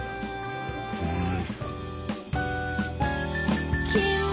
うん。